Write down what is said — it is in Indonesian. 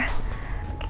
aku ada janjian sama nino